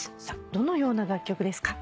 どのような楽曲ですか？